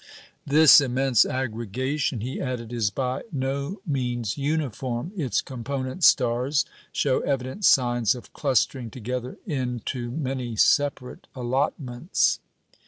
"This immense aggregation," he added, "is by no means uniform. Its component stars show evident signs of clustering together into many separate allotments."